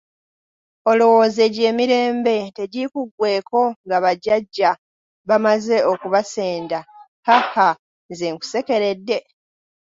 Olowooza egyo emirembe tegikuggweeko nga bajjajja bamaze okubasenda haha nze nkusekeredde?